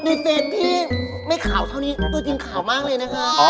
ในเฟสพี่ไม่ขาวเท่านี้ตัวจริงขาวมากเลยนะคะ